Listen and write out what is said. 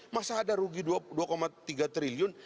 masa ada rugi dua tiga triliun